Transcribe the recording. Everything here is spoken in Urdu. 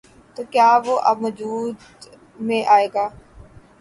تو کیا وہ اب وجود میں آئے گا؟